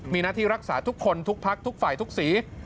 มีหน้าที่รักษาทุกคนทุกพักทุกฝ่ายทุกสี